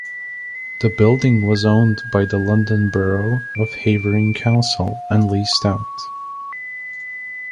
The building was owned by the London Borough of Havering Council and leased out.